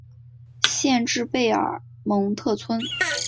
县治贝尔蒙特村。